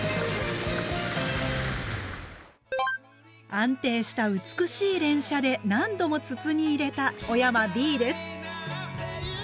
安定した美しい連射で何度も筒に入れた小山Ｂです。